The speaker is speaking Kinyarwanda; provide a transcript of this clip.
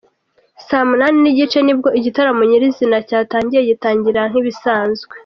saa munani nigice nibwo igitaramo nyirizina cyatangiye, gitangira nkibisanzwe.